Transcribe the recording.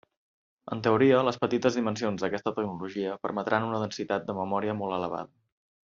En teoria, les petites dimensions d'aquesta tecnologia permetran una densitat de memòria molt elevada.